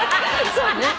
そうね。